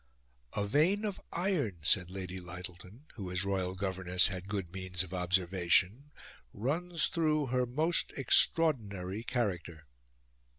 "A vein of iron," said Lady Lyttelton, who, as royal governess, had good means of observation, "runs through her most extraordinary character."